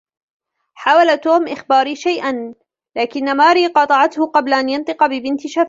حاول توم إخباري شيئًا، لكنّ ماري قاطعته قبل أن ينطق ببنت شفة.